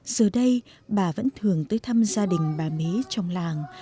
giờ đây bà vẫn thường tới thăm gia đình bà mế trong làng